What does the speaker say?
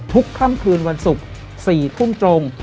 ค่ำคืนวันศุกร์๔ทุ่มตรง